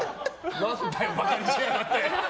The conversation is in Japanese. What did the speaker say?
何だよ、バカにしやがって。